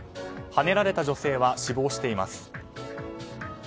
はねられた女性は死亡しています。